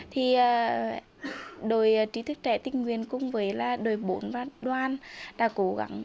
thì đội trí thức trẻ tình nguyện cùng với là đội bốn và đoàn đã cố gắng